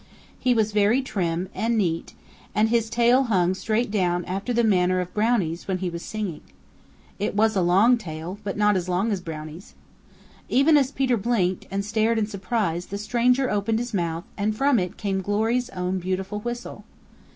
He was very trim and neat and his tail hung straight down after the manner of Brownie's when he was singing. It was a long tail, but not as long as Brownie's. Even as Peter blinked and stared in surprise the stranger opened his mouth and from it came Glory's own beautiful whistle.